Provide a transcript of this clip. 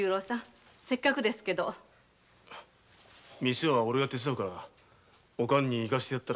店はおれが手伝うからおかんに行かせてやれ。